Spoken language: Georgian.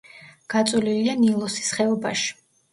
გაწოლილია ნილოსის ხეობაში.